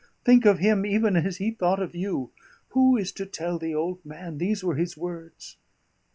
Think of him, even as he thought of you. 'Who is to tell the old man?' these were his words.